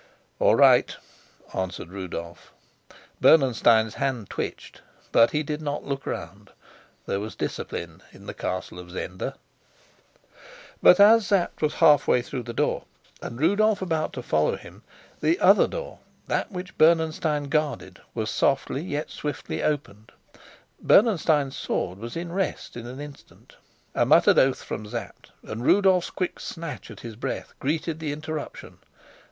"All right," answered Rudolf. Bernenstein's hand twitched, but he did not look round. There was discipline in the castle of Zenda. But as Sapt was half way through the door and Rudolf about to follow him, the other door, that which Bernenstein guarded, was softly yet swiftly opened. Bernenstein's sword was in rest in an instant. A muttered oath from Sapt and Rudolf's quick snatch at his breath greeted the interruption.